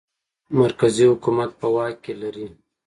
مرکزي حکومت په واک کې لري.